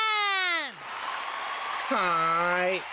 はい。